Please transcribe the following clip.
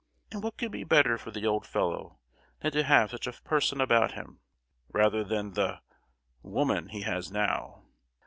And what could be better for the old fellow than to have such a person about him, rather than the—woman he has now?